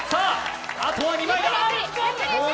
あとは２枚だ。